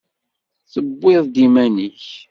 Tewwiḍ-d iman-ik.